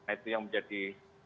itu yang menjadi